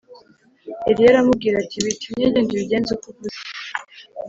Eliya aramubwira ati “Witinya genda ubigenze uko uvuze